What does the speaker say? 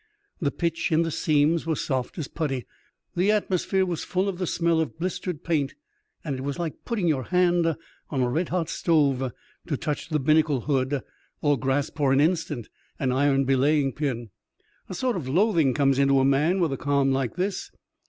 The pitch in the seams was soft as putty, the atmosphere was full of the smell of blistered paint, and it was like putting your hand on a red hot stove to touch the binnacle hood, or grasp for an instant an iron belaying pin. A sort of loathing comes into a man with a calm like this.